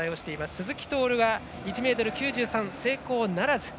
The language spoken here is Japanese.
鈴木徹は１ｍ９３で成功ならず。